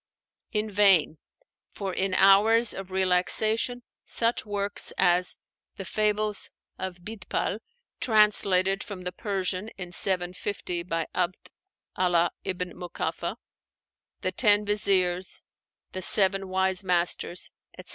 In vain; for in hours of relaxation, such works as the 'Fables of Bidpai' (translated from the Persian in 750 by 'Abd Allah ibn Mukáffah), the 'Ten Viziers,' the 'Seven Wise Masters,' etc.